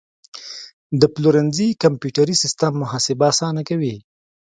د پلورنځي کمپیوټري سیستم محاسبه اسانه کوي.